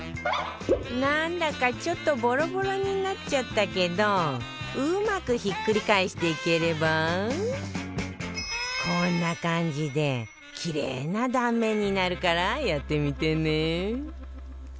なんだかちょっとボロボロになっちゃったけどうまくひっくり返していければこんな感じでキレイな断面になるからやってみてね